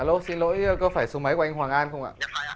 lúc xin lỗi có phải số máy của anh hoàng an không ạ